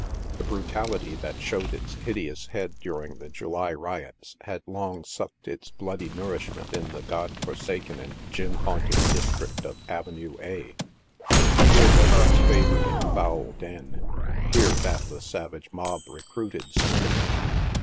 Toe brutality that showed its hideous head during the July riots had long sucked its bloody nourishment in the God forsaken and gin haunted district of Avenue A. Here was its favored and foul den ; here that the savage mob recruited swimmingly.